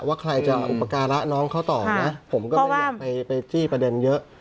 ว่าใครจะอุปการะน้องเขาต่อนะผมก็ไม่ได้อยากไปจี้ประเด็นเยอะ